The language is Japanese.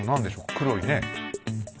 黒いね。